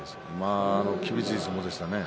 厳しい相撲ですね。